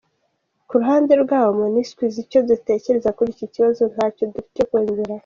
Ku ruhande rwabo Monusco izi icyo dutekereza kuri iki kibazo, ntacyo dufite cyo kongeraho.